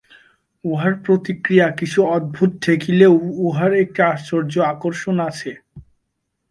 উহার প্রতিক্রিয়া কিছু অদ্ভুত ঠেকিলেও উহার একটি আশ্চর্য আকর্ষণ আছে।